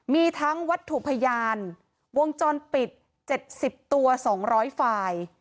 มีทั้งวัตถุพยานวงจรปิดเจ็ดสิบตัวสองร้อยไฟล์